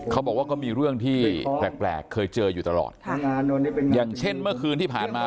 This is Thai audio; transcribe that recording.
เขาบอกว่าก็มีเรื่องที่แปลกแปลกเคยเจออยู่ตลอดค่ะอย่างเช่นเมื่อคืนที่ผ่านมา